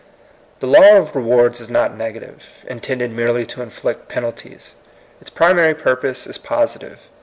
The law of rewards is not negative, in tended merely to inflict penalties. Its pri mary purpose is positive.